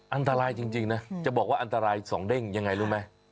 อันตรายจริงนะจะบอกว่าอันตราย๒เด้งยังไงรู้ไหม